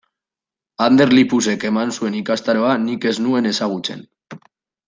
Ander Lipusek eman zuen ikastaroa nik ez nuen ezagutzen.